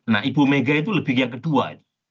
nah ibu mega itu lebih yang kedua